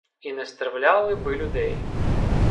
І не стравляли би людей.